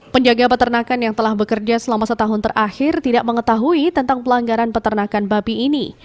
penjaga peternakan yang telah bekerja selama setahun terakhir tidak mengetahui tentang pelanggaran peternakan babi ini